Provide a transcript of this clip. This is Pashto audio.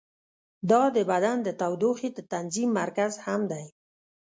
دا د بدن د تودوخې د تنظیم مرکز هم دی.